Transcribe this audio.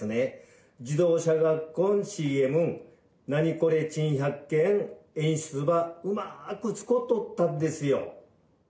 自動車学校のＣＭ『ナニコレ珍百景』演出ばうまーく使うとったんですよ。